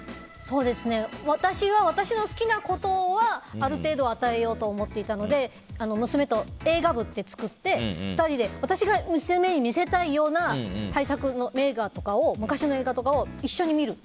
私は、私の好きなことはある程度は与えようと思っていたので娘と映画部って作って２人で私が娘に見せたいような大作の映画とかを昔の映画とかを一緒に見る。